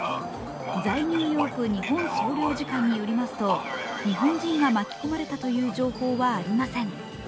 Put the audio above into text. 在ニューヨーク日本総領事館によりますと日本人が巻き込まれたという情報はありません。